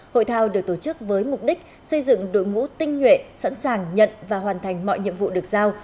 hội thao được tổ chức với mục đích xây dựng đội ngũ tinh nhuệ sẵn sàng nhận và hoàn thành mọi nhiệm vụ được giao